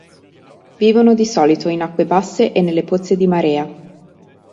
Vivono di solito in acque basse e nelle pozze di marea.